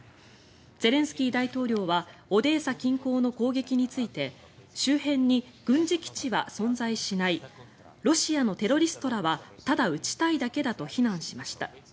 ゼレンスキー大統領はオデーサ近郊の攻撃について周辺に軍事基地は存在しないロシアのテロリストらはただ撃ちたいだけだと非難しました。